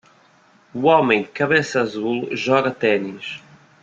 Um homem de cabeça azul joga tênis.